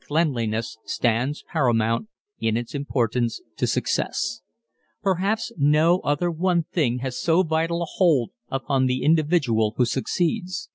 Cleanliness stands paramount in its importance to success. Perhaps no other one thing has so vital a hold upon the individual who succeeds.